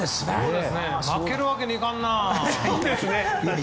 負けるわけにいかんな！